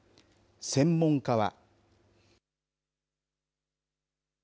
専門家は。